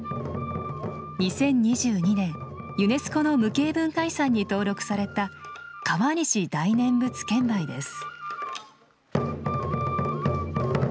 ２０２２年ユネスコの無形文化遺産に登録された川西大念佛剣舞です。